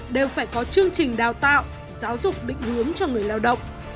đều phải có chương trình đào tạo giáo dục định hướng cho người lao động